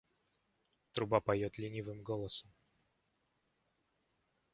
Труба поёт ленивым голосом.